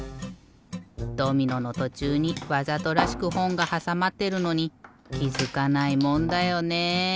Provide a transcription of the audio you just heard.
ドミノのとちゅうにわざとらしくほんがはさまってるのにきづかないもんだよね。